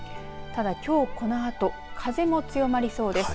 ただ、きょうこのあと風も強まりそうです。